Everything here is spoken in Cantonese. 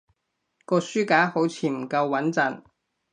個書架好似唔夠穏陣